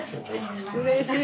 うれしい。